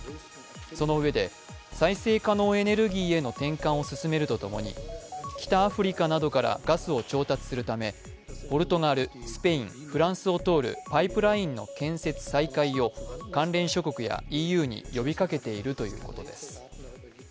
そのうえで再生可能エネルギーへの転換を進めるとともに北アフリカなどからガスを調達するためポルトガル、スペイン、フランスを通るパイプラインの建設再開を関連諸国やＥＵに呼びかけているということです。